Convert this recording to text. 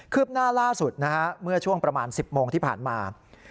ืบหน้าล่าสุดนะฮะเมื่อช่วงประมาณ๑๐โมงที่ผ่านมา